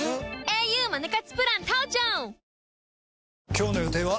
今日の予定は？